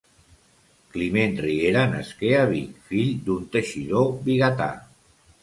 Climent Riera nasqué a Vic, fill d'un teixidor vigatà.